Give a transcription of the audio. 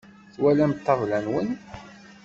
Twalam ṭṭabla-nwen?